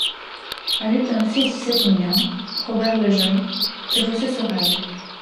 Elle eut un fils de cette union, Robert le jeune, qui reçut Sorel.